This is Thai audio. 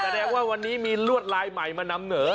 แสดงว่าวันนี้มีลวดลายใหม่มานำเหนอ